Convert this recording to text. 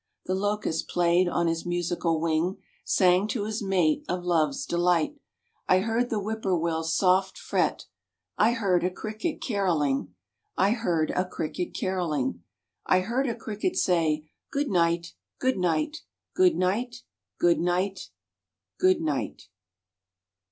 The locust played on his musical wing, Sang to his mate of love's delight. I heard the whippoorwill's soft fret. I heard a cricket carolling, I heard a cricket carolling, I heard a cricket say: "Good night, good night, Good night, good night, ... good night."